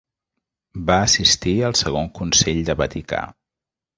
Va assistir al Segon Consell de Vaticà.